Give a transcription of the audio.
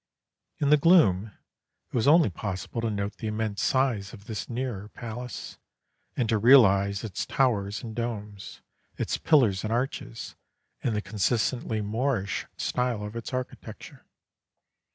In the gloom it was only possible to note the immense size of this nearer palace, and to realise its towers and domes, its pillars and arches, and the consistently Moorish style of its architecture.